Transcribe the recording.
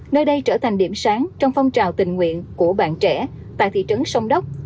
nơi đây trở thành điểm sáng trong phong trào tình nguyện của bạn trẻ tại thị trấn sông đốc